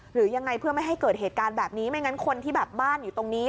หรือยังไงเพื่อไม่ให้เกิดเหตุการณ์แบบนี้ไม่งั้นคนที่แบบบ้านอยู่ตรงนี้